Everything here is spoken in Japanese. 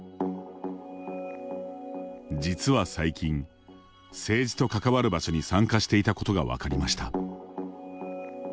実は最近、政治と関わる場所に参加していたことが分かりました。